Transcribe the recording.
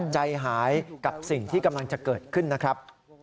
ใจหายกับสิ่งที่กำลังจะเกิดขึ้นนะครับ